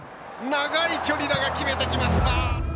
長い距離だが決めてきました！